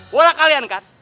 boleh kalian kan